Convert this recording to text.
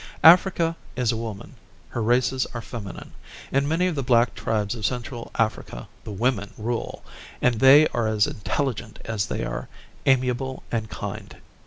Africa is a woman. Her races are feminine.... In many of the black tribes of Central Africa the women rule, and they are as intelligent as they are amiable and kind."